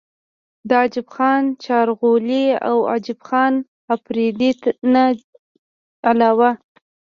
د عجب خان چارغولۍ او عجب خان افريدي نه علاوه